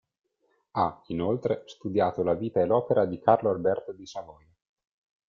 Ha, inoltre, studiato la vita e l'opera di Carlo Alberto di Savoia.